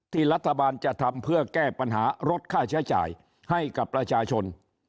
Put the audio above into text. รัฐบาลจะทำเพื่อแก้ปัญหาลดค่าใช้จ่ายให้กับประชาชน